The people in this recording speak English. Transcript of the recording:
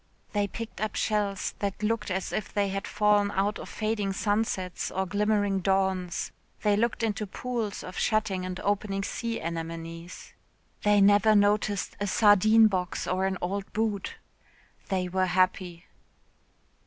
They picked up shells that looked as if they had fallen out of fading sunsets or glimmering dawns they looked into pools of shutting and opening sea anemones. They never noticed a sardine box or an old boot. They were happy.